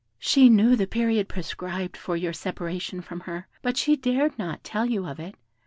She knew the period prescribed for your separation from her, but she dared not tell you of it.